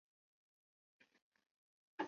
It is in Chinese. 湖广戊子乡试。